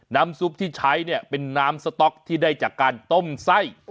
น้ำซุปที่ใช้เนี่ยเป็นน้ำสต๊อกที่ได้จากการต้มไส้